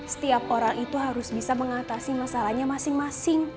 setiap orang itu harus bisa mengatasi masalahnya masing masing